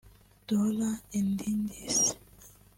Dola Indidis